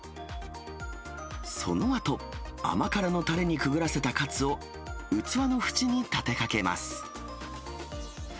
そのあと、甘辛のたれにくぐらせたカツを、器の縁に立てかけます。